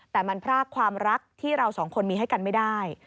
แต่มันพรากความรักที่เราสองคนมีให้กันไม่ได้